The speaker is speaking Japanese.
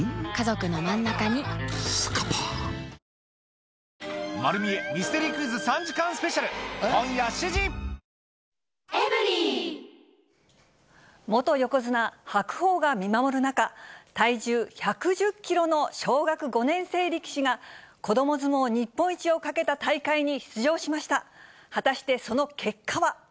合う合うサントリー「のんある晩酌レモンサワー」元横綱・白鵬が見守る中、体重１１０キロの小学５年生力士が、子ども相撲日本一をかけた大会に出場しました。